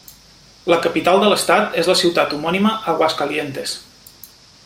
La capital de l'estat és la ciutat homònima Aguascalientes.